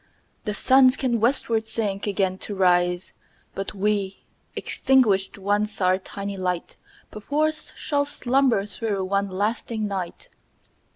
The Suns can westward sink again to rise But we, extinguished once our tiny light, 5 Perforce shall slumber through one lasting night!